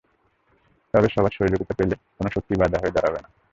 তবে সবার সহযোগিতা পেলে কোনো শক্তিই বাধা হয়ে দাঁড়াতে পারবে না।